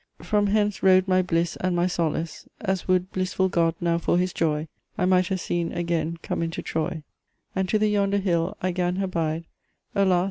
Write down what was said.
Fro hennis rode my blisse and my solas As woulde blisful God now for his joie, I might her sene agen come in to Troie! And to the yondir hil I gan her Bide, Alas!